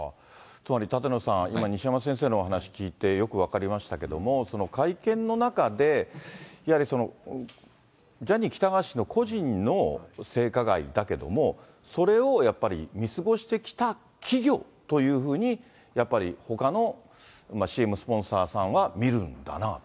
つまり舘野さん、今、西山先生のお話聞いてよく分かりましたけれども、会見の中で、やはりジャニー喜多川氏の個人の性加害だけども、それをやっぱり、見過ごしてきた企業というふうに、やっぱりほかのＣＭスポンサーさんは見るんだなあと。